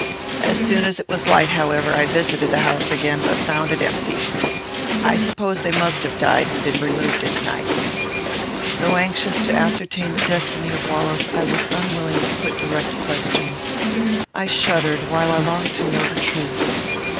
As soon as it was light, however, I visited the house again; but found it empty. I suppose they must have died, and been removed in the night." Though anxious to ascertain the destiny of Wallace, I was unwilling to put direct questions. I shuddered, while I longed to know the truth.